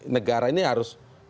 negara ini harus